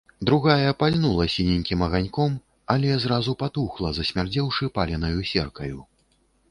Другая пальнула сіненькім аганьком, але зразу патухла, засмярдзеўшы паленаю серкаю.